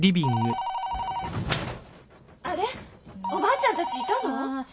おばあちゃんたちいたの？